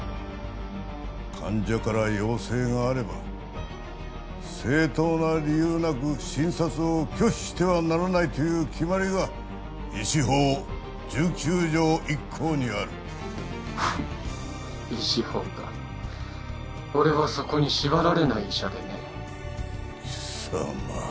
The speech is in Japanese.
患者から要請があれば正当な理由なく診察を拒否してはならないという決まりが医師法１９条１項にあるフンッ医師法か俺はそこに縛られない医者でね貴様